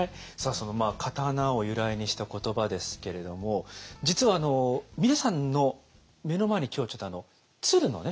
その刀を由来にした言葉ですけれども実は皆さんの目の前に今日はちょっと鶴のね